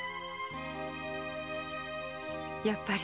やっぱり。